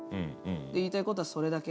言いたいことはそれだけ？